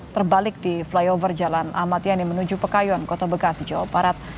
terbalik di flyover jalan ahmad yani menuju pekayon kota bekasi jawa barat